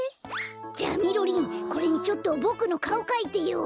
じゃみろりんこれにちょっとボクのかおかいてよ！